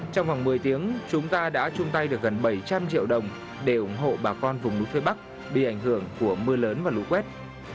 trong vòng một mươi tiếng chúng ta đã chung tay được gần bảy trăm linh triệu đồng để ủng hộ bà con vùng núi phía bắc bị ảnh hưởng của mưa lớn và lũ quét